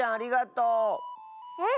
うん。